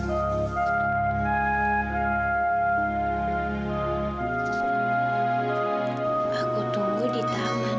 aku tunggu di taman